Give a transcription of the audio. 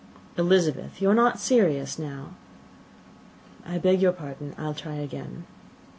"Elizabeth, you are not serious now." "I beg your pardon. I will try again.